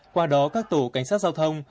qua đó các tổ cảnh sát giao thông